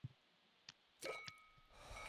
Mahalla guzarlari